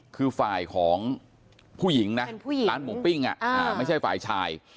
คือฝ่ายของผู้หญิงนะร้านหมูปิ้งไม่ใช่ฝ่ายชาย